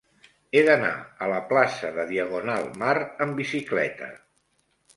He d'anar a la plaça de Diagonal Mar amb bicicleta.